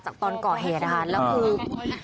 ครับคุณสาวทราบไหมครับ